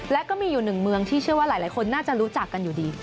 และก็มีอยู่หนึ่งเมืองที่เชื่อว่าหลายคนน่าจะรู้จักกันอยู่ดี